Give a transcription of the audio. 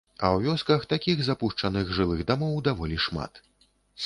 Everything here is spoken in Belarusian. А ў вёсках такіх запушчаных жылых дамоў даволі шмат.